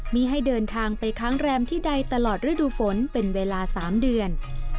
มีให้เดินทางไปค้างแรมที่ใดตลอดฤดูฝนเป็นเวลา๓เดือน